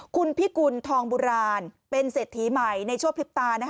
คุณพิกุลทองโบราณเป็นเศรษฐีใหม่ในชั่วพริบตา